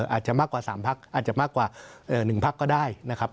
อาจจะมากกว่า๓พักอาจจะมากกว่า๑พักก็ได้นะครับ